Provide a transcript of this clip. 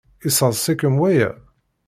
Yesseḍs-ikem waya?